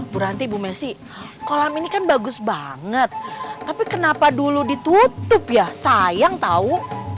berhenti bu messi kolam ini kan bagus banget tapi kenapa dulu ditutup ya sayang tahu